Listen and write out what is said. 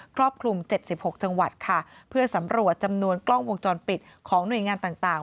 รอบคลุม๗๖จังหวัดค่ะเพื่อสำรวจจำนวนกล้องวงจรปิดของหน่วยงานต่าง